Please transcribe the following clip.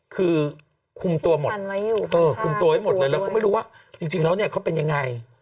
คือคุมตัวหมดคุมตัวไว้หมดเลยแล้วเขาไม่รู้ว่าจริงแล้วเนี่ยเขาเป็นยังไง